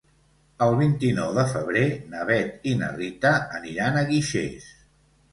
El vint-i-nou de febrer na Bet i na Rita aniran a Guixers.